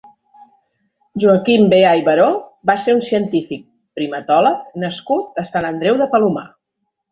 Joaquim Veà i Baró va ser un científic primatòleg nascut a Sant Andreu de Palomar.